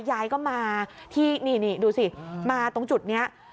ยายก็มาที่นี่ดูสิมาตรงจุดนี้